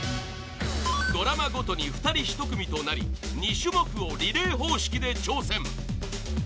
ドラマごとに２人１組になり２種目をリレー方式で挑戦。